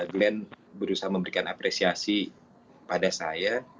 glenn berusaha memberikan apresiasi pada saya